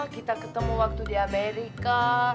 kita ketemu waktu di amerika